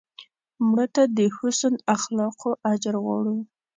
مړه ته د حسن اخلاقو اجر غواړو